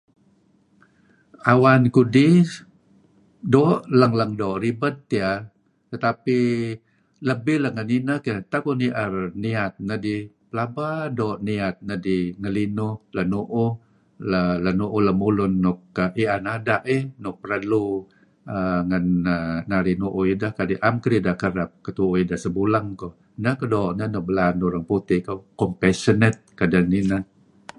"Awan kudih doo' leng-leng doo' ribed tiyeh, tetapilebih let ngen ineh tiyeh, tak uih ni'er niyat nedih pelaba doo' niyat nedih la' ngelinuh la' mu'uh lemulun nuk i'an ada', nuk perlu ngen narih nu'uh ideh kadi' 'am kedideh kereb kehtu'uh ideh sebuleng koh, neh nuk belaan urang putih kuh ""compassionate"" kedeh ngineh."